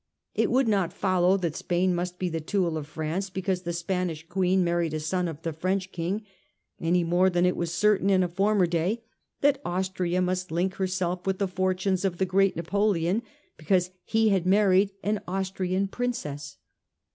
It would not follow that Spain must be the tool of France because the Spanish Queen married a son of the French Kin g, any more than it was certain in a former day that Austria must link herself with the fortunes of the great Napoleon because he had married an Austrian princess.